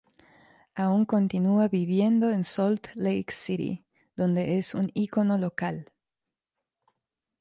Aún continua viviendo en Salt Lake City, donde es un icono local.